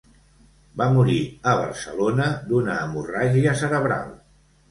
Va morir a Barcelona d'una hemorràgia cerebral.